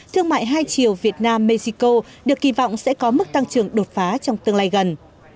thương mại hai chiều việt nam mexico được kỳ vọng sẽ có mức tăng trưởng đột phá trong tương lai gần